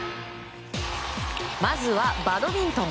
まずは、バドミントン。